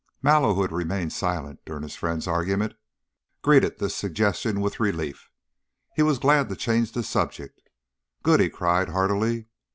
Mallow, who had remained silent during his friend's argument, greeted this suggestion with relief. He was glad to change the subject. "Good!" he cried, heartily.